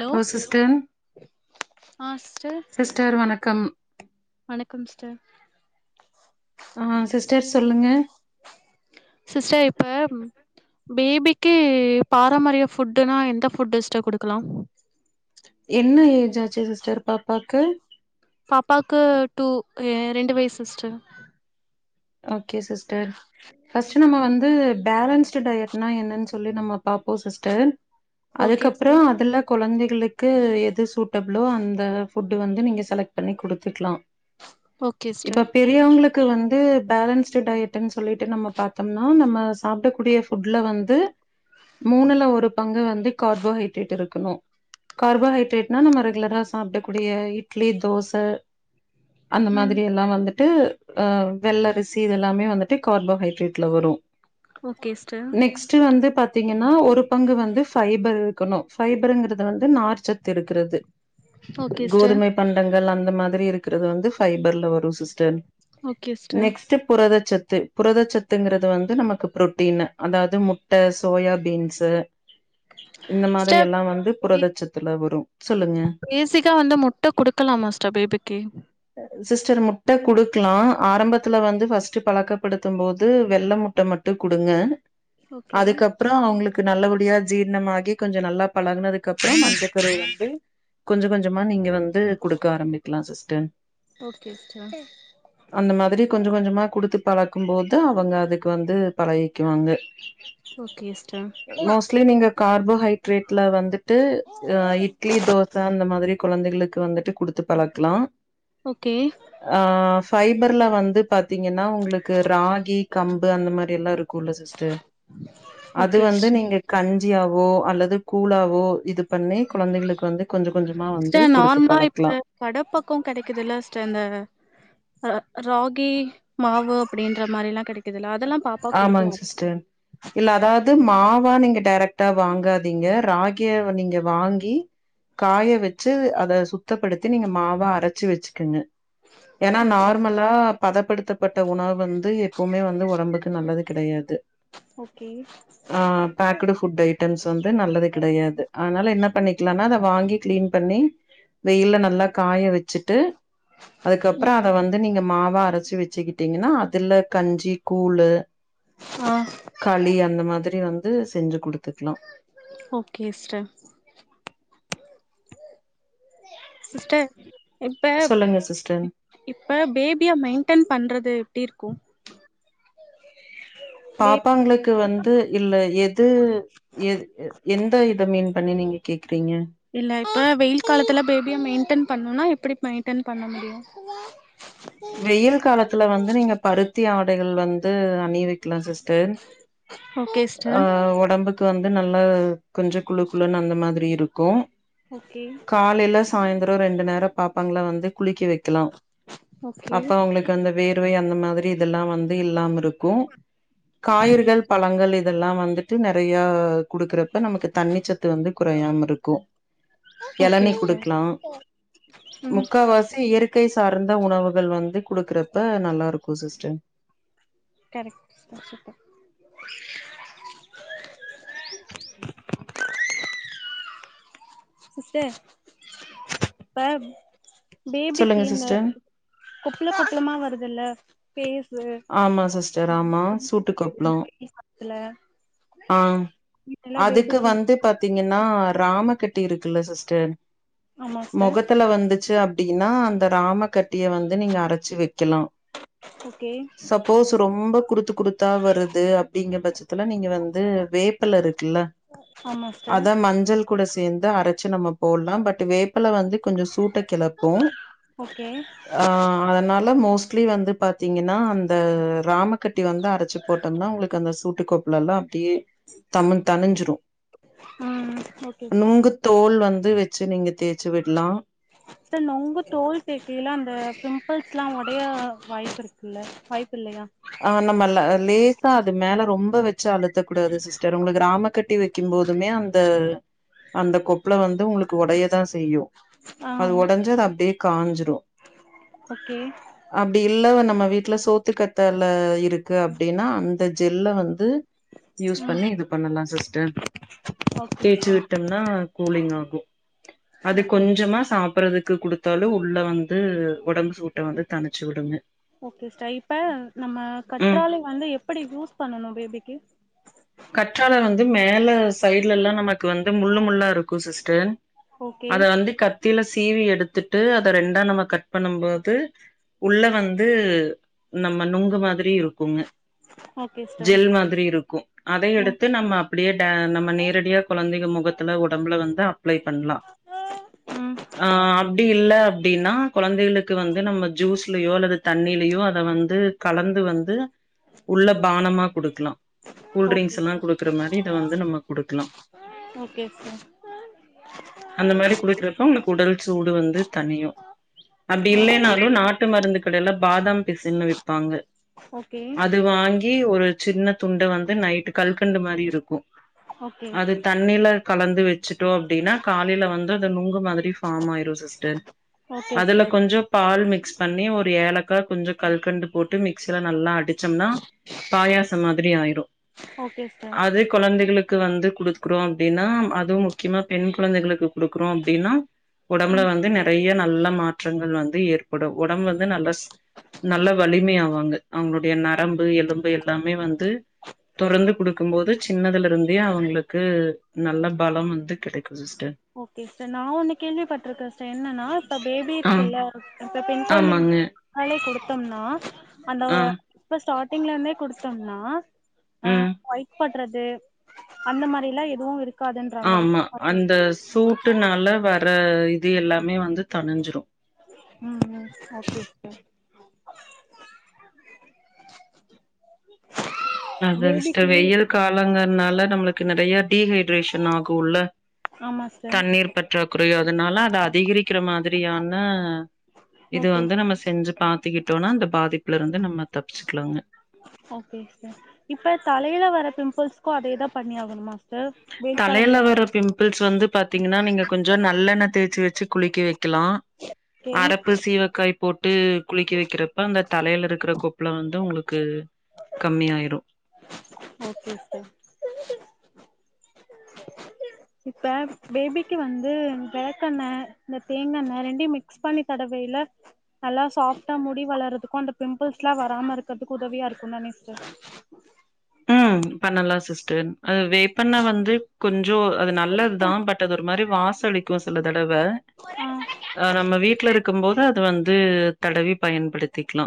Hello sister ஆ sister sister வணக்கம் வணக்கம் சிஸ்டர் ஆ சிஸ்டர் சொல்லுங்க சிஸ்டர் இப்ப பேபிக்கு பாரம்பரிய ஃபுட்டுனா எந்த ஃபுட்டு சிஸ்டர் குடுக்கலா என்ன ஏஜ் ஆச்சு சிஸ்டர் பாப்பாக்கு பாப்பாக்கு டூ ரெண்டு வயசு சிஸ்டர் ஓகே சிஸ்டர் ஃபஸ்ட் நம்ம வந்து பேலன்ஸ்டு டையட்னா என்னனூ சொல் சொல்லி நம்ம பாப்போ சிஸ்டர் ஓகே அதுக்கப்புறோ சிஸ்டர் அதுல கொழந்தைகளுக்கு எது சூட் ட்டப்ளோ அந்த ஃபுட் வந்து நீங்க செலக்ட் பண்ணி குடுத்துக்லா ஓகே இப்ப சிஸ்டர் பேர் பெரியவங்களுக்கு வந்து பேலன்ஸ்டு டயன் சொல்லிட்டு நம்ம பாத்தோம்னா நம்ம சாப்டக்கூடிய ஃபுட்ல வந்து மூணுல ஒரு பங்கு வந்து கார்போஹைட்ரேட் இருக்கணு கார்போஹைட்ரேட்னா நம்ம ரெகுலரா சாப்டக் கூடிய இட்லி தோச அந்த ம் மாதிரி எல்லா வந்துட்டு அ வெள்ளரிசி சி இதெல்லாமே வந்துட்டு கார்போஹைட்ரேட்ல வரு ஓகே ஸ்டர் நெஸ்ட் வந்து பாத்தீங்கன்னா ஒரு பங்கு வந்து ஃபைபர் இருக்கணு ஃபைபருங்கிறது வந்து நார்ச்சத் இருக்கிறது ஓகே சிஸ்டர் கோதுமை பண்டங்கள் அந்த மாதிரி இருக்கிறது வந்து ஃபைபர்ல வரும் sister okay sister next புரதச்சத்து புரதச்சத்துங்கிறது வந்து நமக்கு புரோட்டீன் அதாவது முட் ட்ட சோயா பீன்ஸு இந்த மாதிரி சிஸ்டர் எல்லா வந்து புரதசத்துல வரு சொல்லுங்க பேசிக்கா வந்து முட் ட குடுக்கலா சிஸ்ட பேபிக்கு சிஸ்டர் முட்ட குடுக்லா ஆரம்பத் துல வந்து ஃபஸ்ட் பழக்கப்படுத்தும் போது வெள்ள முட்ட மட்டு குடுங்க ஓகே அதுக்கப்புற அவங்களுக் க்கு நல்லபடியா ஜீர்ணமாகி கொஞ்ச நல்லா பழகுனதுக்கு அப்புற மஞ்ச கரு வந்து கொஞ்ச கொஞ்சமா நீங்க வந்து குடுக்க ஆரம்பிக்கலா சிஸ்டர் ஓகே சிஸ்டர் அந்த மாதிரி கொஞ்ச கொஞ்சமா குடுத்து பழக்கும் போது அவங்க அதுக்கு வந்து பழகிக்குவாங்க ஓகேஸ் மோஸ்ட்லி நீங்க கார்போஹைட்ரேட்ல வந்துட்டு அ இட்லி தோ ச அந்த மாதிரி குழந்தைகளுக்கு வந்துட்டு குடுத்து பழக்லா ஓகே ஆ ஃபைபர்ல வந்து பாத்தீங்கன்னா உங்களுக்கு ராகி கம்பு அந்த மாரி எல்லா இருக்கு குள்ள சிஸ்டர் அது ஓகே வந்து சிஸ்டர் நீங்க கஞ்சியாவோ அல்லது கூழாவோ இது பண்ணி குழந்தைங்களுக்கு வந்து கொஞ்ச கொஞ்சமா வந்து சிஸ்டர் குடுத்து நார்மலா பழக்லா இப்ப கட பக்க கிடைக்குதல்ல சிஸ்ட அந்த அ ராகி மாவு அப்டின்ற மாரி எல்லா கெடைக்கு இதுல அதெல்லா பாப்பாக் ஆமாங் குடுக்லா சிஸ்டர் இல்ல அதாவது மாவா நீங்க டேரக்ட்டா வாங்காதீங்க ராகிய நீங்க வாங்கி காய வச்சு அத சுத்தப்படுத்தி நீங்க மாவ அரச்சு வச்சுக்கங்க ஏன்னா ஓகே சிஸ்டர் நார்மலா பதப்படுத்தப்பட்ட உணவு வந்து எப்பவுமே வந்து உடம்புக்கு நல்லது கெடையாது ஓகே ஆ பேக்குடு ஃபுட் ஐட்டம்ஸ் வந்து நல்லது கெடையாது அதனால என்ன பண்ணிக்லானா அத வாங்கி கிளீன் பண்ணி வெயில நல்லா காய வ ச்சிட்டு அதுக்கப்றோ ம் அத வந்து நீங்க மாவா அரச்சு வச்சுக்கிட்டீங்கன்னா அதுல கஞ்சி கூழு ஆ களி அந்த மாதிரி வந்து செஞ்சு குடுத்துக்லா ஓகே சிஸ்டர் சிஸ்டர் இப்ப சொல்லுங்க சிஸ்டர் இப்ப பேபியா மெயின்டென் பண்றது எப்டி இருக்கு பேபி பாப்பாங்களுக்கு வந்து இல்ல எது எந் எத இத மீன் பண்ணி நீங்க கேக்குறீங்க இல்ல இப்ப வெயில் காலத்துல பேபியா மெயின்டென் பண்ணுன்னா எப்டி மெயின்டென் பண்ண முடியு வெயில் காலத்துல வந்து நீங்க பருத்தி ஆடைகள் வந்து அணிவி க்லா சிஸ்டர் ஓகே அ சிஸ்டர் உடம்புக் து வந்து நல்லா கொஞ்ச குழு குழு அந்த மாதிரி இருக்கு ஓகே காலைல சாயந்ரோ ரெண்டு நேரோ பாப்பாங்கள வந்து குளிக்க வைக்கலா ஓகே அப்ப அவுங்களுக்கு அந்த வேர்வை அந்த மாதிரி இதெல்லா வந்து இல்லாம இருக் கு ஓகே காய்கறிகள் பழங்கள் இதெல்லா வந்துட்டு நெறையா குடுக்கறப்ப நமக்கு தண்ணிச்சத்து வந்து கொறையாம இருக்கு ஓகே இளனி சிஸ்டர் குடுக்லா ம் முக்காவாசி இயற் கை சார்ந்த உணவுகள் வந்து குடுக்கறப்பா நல்லாருக்கு சிஸ்டர் கரெக்ட் குடுத்துட்ட சிஸ்சர் இப்ப பேபிக்கு சொல்லுங்க இந்த சிஸ்டர் கொப்ள கொப்பளமா வருதுல்ல ஃபேஸ் ஆமா சிஸ்டர் ஆமா சூட்டு கொப்ளோ கு [inaudible] ஆ அதுக்கு வந்து பாத்தீங்கன்னா ராம கட்டி இருக்குல்ல சிஸ்டர் ஆமா சிஸ்டர் மொகத்துல வந்துச்சு அப்டின்னா அந்த ராம கட்டிய வந்து நீங்க அரச்சி வெக்கலா ஓகே சப்போஸ் ரொம்ப குறுத்து குறுத்தா வருது அப்டிங்கிற பட்சத்துல நீங்க வந் து வேப்பல இருக்குல ஆமா சிஸ்டர் அத மஞ்சள் கூட சேந்து அரச்சு நம்ம போட்லா பட்டு வேப் பல வந்து கொஞ்சோ சூட்ட கெளப்பு ஓகே ஆ அதனால மோஸ்ட்லி வந்து பாத்தீங்கன்னா அந்த ராமக்கட்டி வந்து அரச்சி போட்டோம்னா உங்குளுக்கு அந்த சூட்டுக் கொப்ளலா டி தமு தனிஞ்சிரு ம் ஓகே சிஸ்டர் நொங்கு தோல் வந்து வச்சு நீங்க தேச்சி விட்லா இந்த நொங்கு தோல் தேய்க்கயில அந்த பிம்புள் ஸ்லா ஒடய வாய்ப்பு இருக்குல்ல வாய்ப்பு இல்லயா ஆ நம்ம லேசா அது மேல ரொம்ப வச்சு அழுத்தக் கூடாது சிஸ்டர் உங்களுக் ராம கட்டி வக்கிம் போதுமே அந்த அந்த கொப்பளோ வந்து உங்ளுக்கு ஒடைய தா செய்யு ஆ அது ஒடஞ்சா அப்டே காஞ்சிரு ஓக்கே அப்டி இல்ல நம்ம வீட்ல சோத்துக்கத்தால இருக்கு அப்டினா அந்த ஜெல்ல வந்து யூஸ் ம் பண்ணி இது பண்ணலா சிஸ்டர் ஓகே தேச்சி சிஸ்டர் விட்டோன்னா கூலிங் ஆகு அது ஓகே கொஞ்சமா சாப் புறதுக்கு குடுத்தாலு உள்ள வந்து ஒடம்பு சூட்ட வந்து தனிச் விடுங்க ஓகே ஸ்டர் இப்ப நம்ம ம் கற்றால வந்து எப்டி யூஸ் பண்ணணு பேபிக்கு கற்றால வந்து மேல சைட்லலா நமக்கு வந்து முள்ளு முள்ளா இருக்கு சிஸ்டர் ஓகே அத வந்து கட் த்தில சீவி எடுத்துட்டு அத ரெண்டா நம்ம கட் பண்ணுபோது உள்ள வந்து நம்ம நுங்கு மாதிரி இருக்குங்க ஓகே சிஸ்டர் ஜெல் மாதிரி இருக்கு அதயு ம் எடுத்து நம்ம அப்டியே டே நம்ம நேரடியா கொழந்தங்க மொகத்துல ஒடம்புல வந்து அப்ளே பண்லா ம் ஆம் அப்டி இல்ல அப்டின்னா கொழந்தயளுக்கு வந்து நம்ம ஜூஸ்லியோ அல்லது தண்ணிலியோ அத வந்து கலந்து வந்து உள்ள பானமா குடுக்லா ஓகே கூல்ட்ரிங்ஸ்லா சிஸ்டர் குடுக்குற மாரி இத வந்து நம்ம குடுக்லா ஓகே சிஸ்டர் அந்த மாரி குடுக்றப்ப உங்ளுக்கு உடல் சூடு வந்து தனியு அப்டி ஓகே இல்லேனாலு நாட் நாட்டு மருந்து கடைல பாதாம் பிசின் விப்பாங்க ஓகே அது வாங்கி ஒரு சின்ன துண் ண்டு நைட் கல்கண்டு மாரி இருக்கு ஓகே அது தண்ணில கலந்து வச்சுட்டோ அப்டினா காலயில வந்து அது நுங்கு மாதிரி ஃபார்ம் ஆயிரு சிஸ்டர் ஓகே அதுல சிஸ்டர் கொஞ்சோ பால் மிக்ஸ் பண்ணி ஒரு ஏலக்கா கொஞ்சோ கல்கண்டு போட்டு மிக்சில நல்லா அடிச்சாம்னா பாயாசோ மாதிரி ஆயிரு ஓகேஸ் அது கொழந்தகளுக்கு வந்து குடுக்றோ அப்டினா அது முக்கியமா பெண் கொழந்தகளுக் குடுக்குறோ அப்டினா ஒடம்புல ம் வந்து நெறைய நல்ல மாட் ற்றங்கள் வந்து ஏற்படு ஒடம்பு வந்து நல்லா ஸ் நல்லா வலிம ஆவாங்க அவுங்களுடைய நரம்பு எலும்பு எல்லாமே வந்து தொரந்து குடுக்கும் போது சின்னதுல இருந்தே அவுங்களுக்கு நல்ல பலம் வந்து கிடைக்கும் சிஸ்டர் ஓகே சார் நான் ஒன்னு கேள்விப்பட்டிருக்கே சார் என்னன்னா இப்ப பேபி ஆ இருக்குல்ல இப்ப பெண் ஆமாங்க கொழந்தைங்காலே கொடுத்தோம்னா அந்த ஆ இப்ப ஸ்டார்டிங்ல இருந்தே குடுத்தோம்னா அ ம் குப்பாட்றது அந்த மாரி எல்லா எதுவு இருக் ஆமா அந்த சூட்டுனால வர இது எல்லாமே வந்து தனிஞ்சிரு ம் ம் ஓகேக்கா அத சிஸ்டர் பேபிக்கு வெயில் காலங்கிறதுனால நம்மளுக் கு நெறைய டீஹைட்ரேஷன் ஆகுல உள்ள ஆமா சிஸ்டர் தண்ணீர் பற் றாகுற அதுனால அத அதிகரிக்கிற மாதிரியான இது வந்து ஓகே நம்ம செஞ்சி பாக் கத்திக்கிட்டோனா அந்த பாதிப்புல இருந்து நம்ம தப்பச்சுக்குலாங்க ஓகே ஸ்டர் இப்ப தலையில வர பிம்பிள்ஸ்க்கு அதேதா பண்ணி ஆகணுமா சார் வெயில் தலையில காலத்துல வர பிம்பிள்ஸ் வந்து பாத்தீங்கன்னா நீங்க கொஞ்சோ நல்லெண்ண தேய்ச்சு வச்சு குளிக்கி வைக்குலா ஓகே அரப்பு சீவக்காய்ப் போட்டு குளிக்க வைக்கிறப்ப அந்த தலையில இருக்கிற கொப்பளோ வந்து உங்களுக்கு கம்மிய ஆயிரு ஓகே சார் இப்ப பேபிக்கு வந்து வேளக்கெண்ண இந்த தேங்காண்ண ரெண்டையு மிக்ஸ் பண்ணி தடவைல நல்லா சாஃப்டா முடி வளரதுக்கு அந்த பிம்பிள்ஸ்லா வராம இருக்கற்துக்கு உதவியா இருக்குதானே சிஸ்டர் ம் பண்ணலா சிஸ்டர் அது வேப்பெண்ண வந்து கொஞ்சோ அது நல்லதுதா பட் அது ஒரு மாரி வாசோ அடிக் கு சில தடவ ஆ ஆ நம்ம வீட்ல இருக்கும்போது அது வந்து தடவி பயன்படுத்திக்லா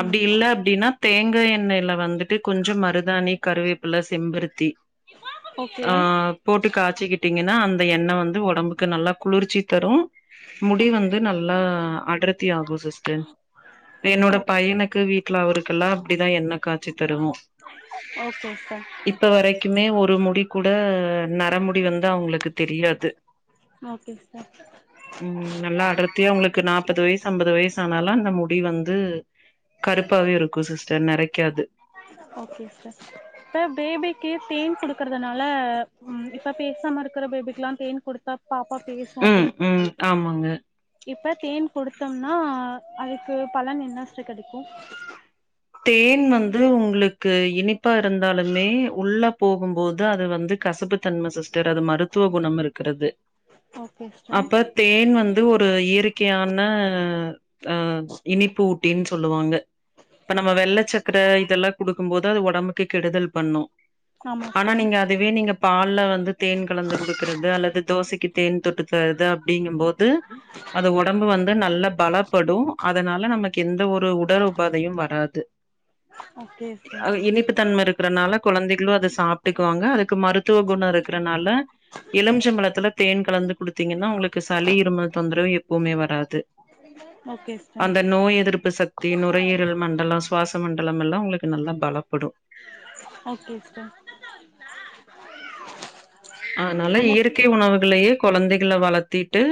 அப்டி இல்ல அப்டினா தேங்கா எண்ணெய்ல வந்துட்டு கொஞ்சோ மருதாணி கருவேப்புல செம்பருத்தி ஓகே ஆ போட்டு காச்சிக்கிட்டீங்கன்னா அந்த எண்ண வந்து ஒடம்புக்கு நல்லா குளிர்ச்சி தரு முடி வந்து நல்லா அடர்த்தி ஆகு சிஸ்டர் என்னோட பையனுக்கு வீட்ல அவுருக்குல்லா அப்டிதா எண்ண காட்சி தருவோ ஓகே சிஸ்டர் இப்போ வரைக்குமே ஒரு முடிகூட நர முடி வந்து அவுங்களுக்கு தெரியாது ஓகே சார் ம் நல்லா அடர்த்தியா உங்களுக்கு நாப்பது வய்சு அம்பது வய்சு ஆனாலு அந்த முடி வந்து கருப்பாவே இருக்கு சிஸ்டர் நெறைக்காது ஓகே சிஸ்டர் ச பேபிக்கு தேன் குடுக்கறதுனால ம் இப்ப பேசாம இருக்கிற பேபிக்குல்லா தேன் கொடுத்தா பாப்பா பேசு ம் அப்டின் ம் சொல்றாங்கள ஆமாங்க இப்ப தேன் குடுத்தோம்னா அதுக்கு பலன் என்ன சிஸ்டர் கெடைக்கு தேன் வந்து உங்குளுக்கு இனிப்பா இருந்தாலுமே உள்ள போகும்போது அது வந்து கசப்பு தன்ம சிஸ்டர் அது மருத்துவ குணம் இருக்கறது ஓகே சிஸ்டர் அப்ப தேன் வந்து ஒரு இயற்கையான ஆ இனிப்பு ஊட்டின் சொல்லுவாங்க ஓக இப்ப நம்ம வெள்ள சக்கர இதெல்லா குடுக்கும்போது அது ஒடம்புக்கு கெடுதல் பண்ணு ஆமா ஆனா சிஸ்டர் நீங்க அதுவே நீங்க பால்ல வந் து தேன் கலந்து குடுக்கறது அல்லது தோசைக்கு தேன் தொட்டு தரது அப்டிங்கும்போது அது ஒடம்பு வந்து நல்ல பலப்படு அதனால நமக் எந்த ஒரு உடல் உபாதையு வராது ஓகே சிஸ்டர் இனிப்புத் தன்ம இருக்கறனால குழந்தைகளு அத சாப்ட்டுக்குவாங்க அதுக்கு மருத்துவ குணோ இருக்கறனால எலும்ச்சம்பழத்துல தேன் கலந்து குடுத்தீங்கன்னா உங்களுக்கு சளி இருமல் தொந்தரவு எப்பவுமே வராது [unintelligible] ஓகே சிஸ் அந்த நோய் எதிர்ப்பு சக் தி நுரையீரல் மண்டல சுவாச மண்டலம் எல்லா உங்குளுக்கு நல்லா பலப்படு ஓகே சிஸ்டர் ஆனால அந்த இயற்கை உணவுகள்லயே கொழந்தைகள வளத்தீட்டு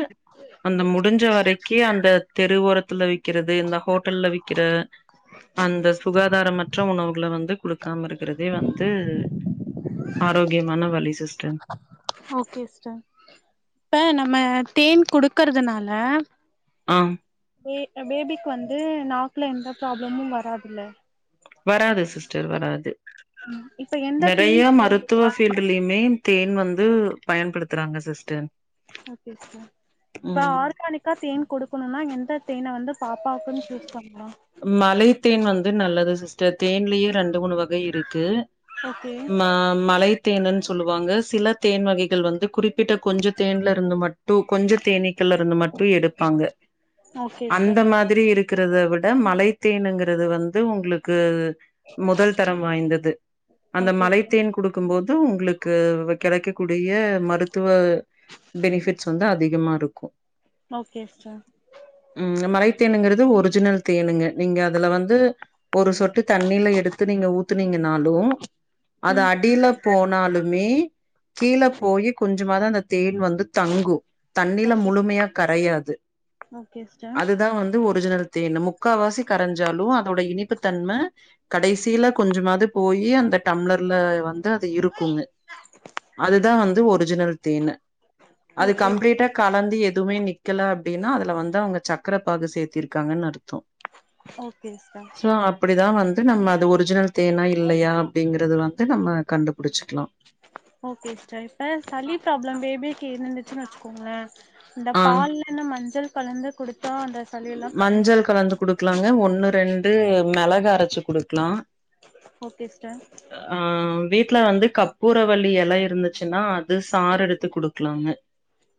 அந்த முடிஞ்ச வரைக்கு அந்த தெரு ஓரத்துல விக்கறது இந்த ஹோட்டல்ல விக்கிற அந்த சுகாதாரமற்ற உணவுகள வந்து குடுக்காம இருக்கறதே வந்து ஆரோக்கியமான வழி சிஸ்டர் ஓக்கே சிஸ்டர் இப்ப நம்ம தேன் குடுக்கறதுனால ஆ பே அ பேபிக்கு வந்து நாக்ல எந்த ப்ராப்ளமு வராதுல வராது சிஸ்டர் வராது ம் இப்ப எந்த தேன் நறைய மருத்துவ ஃபீல்டுலயு மெய்ன் தேன் வந்து பயன்படுத்துறாங்க சிஸ்டர் ஓக்கே சிஸ்டர் இப்ப ம். ஆர்கானிக் கா தேன் கொடுக்கணுனா எந்த தேன வந்து பாப்பாவுக்குன் சூஸ் பண்ணு மலைத்தேன் வந்து நல்லது சிஸ்டர் தேன்லயே ரெண்டு மூணு வக் கை இருக்கு ஓகே ம மலை தேனுனுன் சொல்லுவாங்க சில தேன் வகைகள் வந்து குறிப்பிட்ட கொஞ்ச தேன்ல இருந்து மட்டு கொஞ்ச தேனீ த்துல இருந்து மட்டு எடுப்பாங்க ஓகே அந்த சிஸ்டர் மாதிரி இருக்கறத விட் ட மலைத்தேனுங்குறது வந்து உங்களுக்கு அது முதல் தரம் வாய்ந்தது அந்த ஓகே சிஸ்டர் மலைத்தேன் குடுக்கும் போது உங்களுக் கு கெடைக்கக்க கூடிய மருத்துவ பெனிஃபிட்ஸ் வந்து அதிகமா இருக்கு ஒகே சிஸ்டர் ம் [unintelligible] மலைத்தனுங்கறது ஒரிஜினல் தேனுங்க நீங்க அதுல வந்து ஒரு சொட்டு தண்ணில எடுத்து நீங்க ஊத்துனீங்கனாலு அத ம் அடில போனாலுமே கீழே போயி கொஞ்சமாது அந்த தேன் வந்து தங்கு தண்ணில ஓகே சிஸ்டர் முழுமையா கரையாது ஓகே சிஸ்டர் அதுதா வந்து ஒரிஜினல் தேனு முக்கா வாசி கரஞ்சாலு அதோட இனிப்பு தன்ம கடைசில கொஞ்சமாது போயி அந்த டம்ளர்ல வந் து அது இருக்குங்க அதுதா வந்து ஒரிஜினல் தேனு அது ஓகே கம்ப்ளீட் லைட்டா கலந்து எதுமே நிக்கல அப்டின்னா அதுல வந்து அவுங்க சக்கர பாகு சேத்திருக்காங்கன் அர்த்தோ ஓகே சிஸ்டர் ஆ அப்டிதா வந்து நம்ம அது ஒரிஜினல் தேனா இல்லையா அப்டிங்கறது வந்து நம்ம கண்டுபுடிச்சிக்லா ஓகே சிஸ்டர் இப்ப சளி ப்ராப்ளம் பேபிக்கி இருந்துச்சுன் வச்சுக்கோங்ளே அந்த ஆ. பால்ல இன்ன மஞ்சள் கலந்து குடுத்தா அந்த சளி எல்லா கரஞ் மஞ்சள் கலந்து குடுக்கலாங்க ஒன்னு ரெண்டு மெளகு அரச்சு குடுக்லா ஓகே சிஸ்டர் அ ஆ அ வீட்ல வந்து கப்பூரவள்ளி எல இருந்துச்சுன்னா அது சாறு எடுத்து குடுக்கலாங்க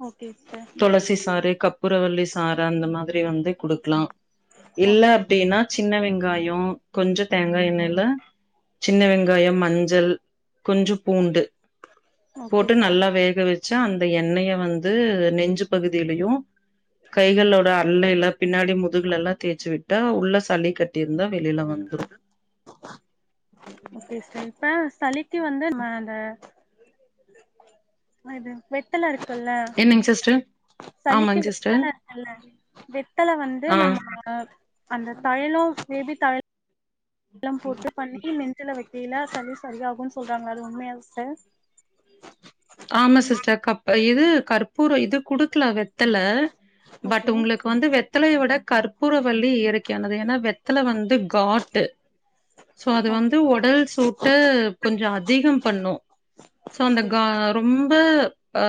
ஓகே சிஸ்டர் தொளசி சாறு கப் பூரவள்ளி சாறு அந்த மாதிரி வந்து குடுக்கலா இல்ல ஓகே சிஸ்டர் அப்டின்னா சின்ன வெங்காயோ கொஞ்ச தேங்கா எண்ணெல சின்ன வெங்காயம் மஞ்சள் கொஞ்சப் பூண்டு ஓகே போட்டு சிஸ்டர் நல்லா வேக வச் சா அந்த எண்ணெய வந்து நெஞ்சு பகுதிலயு கைகளோ எல்லா பின்னாடி முதுகுலலா தேச்சு விட்டா உள்ள சளி கட் டிருந்தா வெளில வந்துரு சிஸ்டன் ப்ப சளிக்கு வந்து நம்ம அந்த அது வெத்தல இருக்குல்ல என்னங்க சிஸ்டர் சளிக்கு ஆமாங் சிஸ்டர் வெத்தல இருக்குல்ல வெத்தல வந்து ஆ நம்ம அ அந்த தைலோ மேபி தை லம் போட்டு பண்ணி நெஞ்சுல வெக்கயில சளி சரியாகுன் சொல்றாங்களே அது உண்மையா சிஸ்டர் ஆமா சிஸ்டர் கப்ப இது கற்பூர இது குடுக்லா வெத் தலை பட் ஓகே உங்களுக்கு வந்து வெத் த்தலைய வெட கற்பூரவள்ளி இயற்கையானது எனா வெத்தல வந்து காட்டு ஸோ அது ஓகே வந்து ஒடல் சூட்ட கொஞ்ச அதிகம் பண்ணு ஸோ ஓகே அந்த கா சிஸ்டர் ரொம்ப அ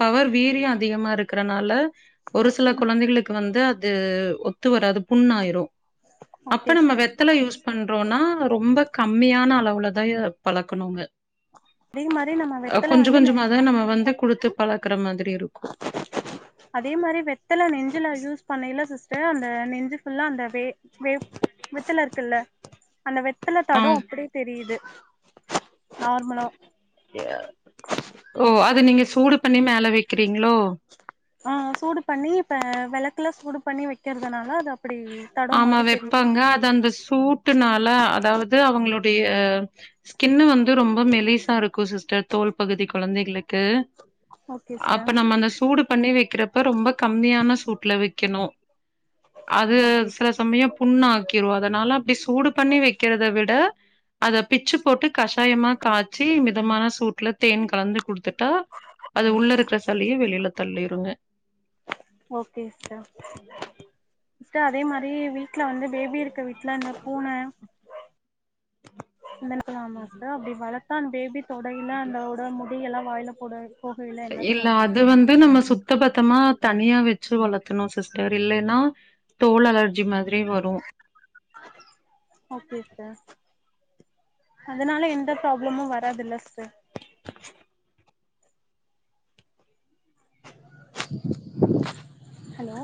பவர் வீரிய அதிகமா இருக்கறனால ஒரு சில ம் குழந்தைகளுக்கு வந்து அது ஒத்து வராது புண்ணாயிரு அப்ப ஓகே நம்ம சிஸ்டர் வெத்தல யூஸ் பண்றோனா ரொம்ப கம்மியான அளவுலதாய பழக்கணுங்க தே மாரி நம்ம வெ கொஞ்ச கொஞ்சமா தா நம்ம வந்து கொடுத்து பழக்கற மாதிரி இருக்கு அதே மாரி வெத்தல நெஞ்சுல யூஸ் பண்ணைல சிஸ்டர் அந்த நெஞ்சு ஃபுல்லா அந்த வே வெ வெத்தல இருக்குல்ல அந்த வெத்தல ஆ தடொ அப்டே தெரியுது நார்மலா ஓ அது நீங்க சூடு பண்ணி மேல வைக்கிறீங்களோ ஆ சூடு பண்ணி இப்ப வெளக்குல சூடு பண்ணி வைக்கிறதுனால அது அப் ஆமா வைப்பாங்க அது அந்த சூட்டுனால அதாவது அவங்களுடைய ஸ்கின்னு வந்து ரொம்ப மெலிஸா இருக்கு சிஸ்டர் தோல் பகுதி கொழந்தைகளுக்கு ஓகே சிஸ்டர் அப்ப நம்ம அந்த சூடு பண்ணி வைக்கிறப்ப ரொம்ப கம்மியான சூட்ல வைக்கணு அது ஓகே சில சமய புண்ணாக்கிரு அதனால அப்டி சூடு பண்ணி வைக்கிறத விட அத பிச்சு போட்டு கஷாயமா காச்சி மிதமான சூட்ல தேன் கலந்து குடுத்துட்டா அது உள்ள இருக்குற சலியே வெளில தள்ளிருங்க ஓகே சிஸ்டர் சிஸ்ட அதே மாரி வீட்ல வந்து பேபி இருக்க வீட்ல அந்த பூன வளக்கலாமா ஸ்ட அப்டி வளத்தா அந்த பேபி தொடைல அந்தோட முடிய எல்லா வாயில போடாது இல்ல அது வந்து நம்ம சுத்த பத்தமா தனியா வெச்சு வளத்தணு சிஸ்டர் இல்லன்னா தோல் அலர்ஜி மாதிரி வரு ஓகே ஸ்ட அதனால எந்த ப்ராப்ளமு வராதுல்ல சிஸ்ட ஹலோ